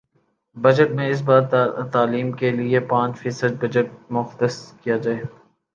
budget میں اس بار تعلیم کے لیے پانچ فیصد بجٹ مختص کیا جائے